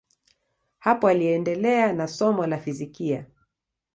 Hapo aliendelea na somo la fizikia.